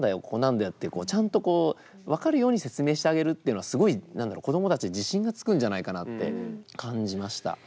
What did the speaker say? ここなんだよってちゃんとこう分かるように説明してあげるっていうのはすごい子どもたちに自信がつくんじゃないかなって感じました。